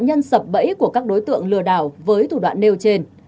những cái sập bẫy của các đối tượng lừa đảo với thủ đoạn nêu trên